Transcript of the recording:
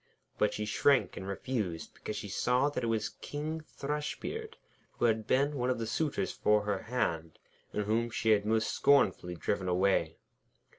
But she shrank and refused, because she saw that it was King Thrushbeard, who had been one of the suitors for her hand, and whom she had most scornfully driven away.